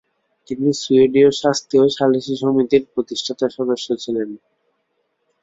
তিনি সুয়েডীয় শান্তি ও সালিশি সমিতি-র প্রতিষ্ঠাতা সদস্য ছিলেন।